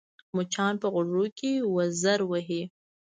مچان په غوږو کې وزر وهي